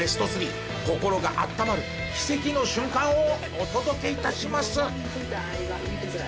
心があったまる奇跡の瞬間をお届け致します。